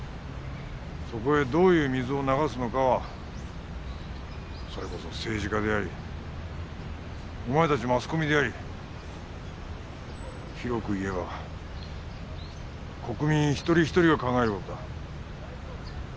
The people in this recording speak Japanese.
そこへどういう水を流すのかはそれこそ政治家でありお前たちマスコミであり広く言えば国民一人一人が考える事だ。